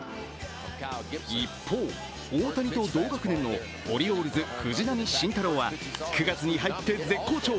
一方、大谷と同学年のオリオールズ、藤浪晋太郎は９月に入って絶好調。